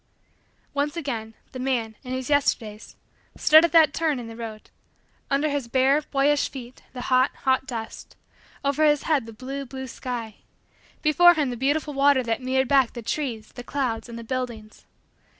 Once again, the man, in his Yesterdays, stood at that turn in the road; under his bare, boyish, feet the hot, hot, dust; over his head the blue, blue, sky; before him the beautiful water that mirrored back the trees, the clouds, and the buildings.